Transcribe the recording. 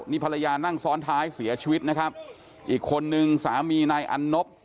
นี่ภรรยานั่งซ้อนท้ายเสียชีวิตนะครับอีกคนนึงสามีนายอันนบ